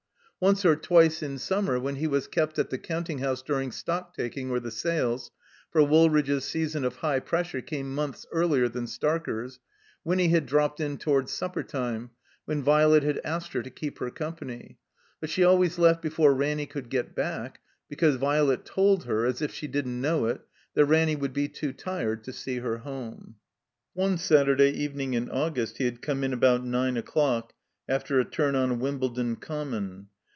Once or twice in summer, when he was kept at the counting house during stock taking or the sales (for Woolridge's season of high pressure came months earlier than Starker 's), Winny had dropped in toward supper time, when Violet had asked her to keep her company. But she always left before Ranny cotild get back, because Violet told her (as if she didn't know it) that Ranny would be too tired to see her home. One Satiu'day evening in August he had come in about nine o'clock after a turn on Wimbledon Com mon.